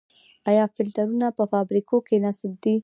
آیا فلټرونه په فابریکو کې نصب دي؟